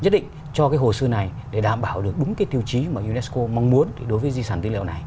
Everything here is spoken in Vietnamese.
nhất định cho cái hồ sơ này để đảm bảo được đúng cái tiêu chí mà unesco mong muốn đối với di sản tư liệu này